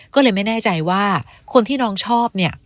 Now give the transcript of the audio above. ก็เลยไม่แน่ใจว่าคนที่น้องชอบเนี่ย